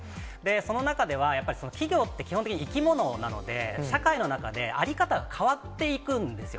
その中ではやっぱり、企業って基本的に生き物なので、社会の中で在り方が変わっていくんですよ。